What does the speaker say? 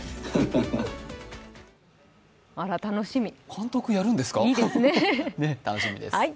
監督やるんですか、楽しみです。